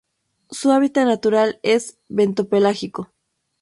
Su hábitat natural es bentopelágico.